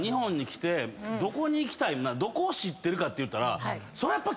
どこを知ってるかっていったらそらやっぱ。